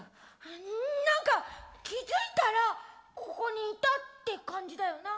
ん何か気付いたらここにいたって感じだよな。